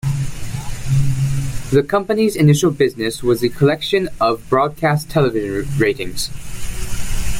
The company's initial business was the collection of broadcast television ratings.